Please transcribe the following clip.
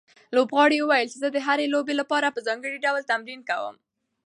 لوبغاړي وویل چې زه د هرې لوبې لپاره په ځانګړي ډول تمرین کوم.